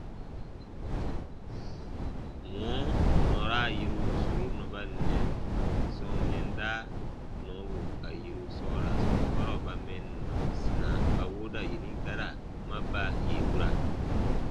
Wɔ̃ɔ nɔra yirun suru nɔba nnɛsen sɔ̃ɔ yɛnda nɔɔbu ka yiru sɔɔra sɔnkɔrɔ ba mɛnnɔ sina ba wooda yeni gara ma ba yè wura.